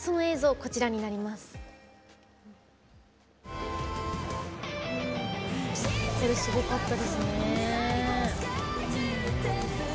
これ、すごかったですね。